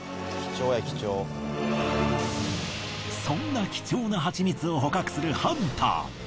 そんな貴重なハチミツを捕獲するハンター。